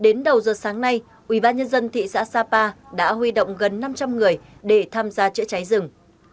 đến đầu giờ sáng nay ubnd thị xã sapa đã huy động gần năm trăm linh người để tham gia chữa cháy rừng